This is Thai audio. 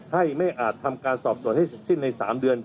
ให้ไม่อาจทำการสอบส่วนให้สิ้นในสามเดือน